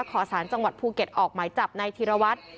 ขอสารจังหวัดภูเก็ตออกหมายจับนายธีรวัตร